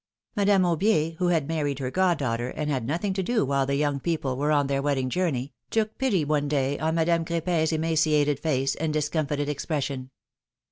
Madame Aubier, who had married her goddaughter, and had nothing to do while the young couple were on their wedding jour ney, took pity one day on Madame Cr^pin^s emaciated face and discomfited expression.